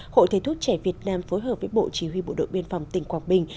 hội thầy thuốc trẻ việt nam phối hợp với bộ chỉ huy bộ đội biên phòng tỉnh quảng bình